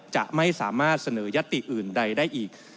จะไม่สามารถเสนอยัตติอื่นใดได้อีก